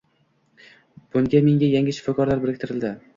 Bugun menga yangi shifokor biriktirildi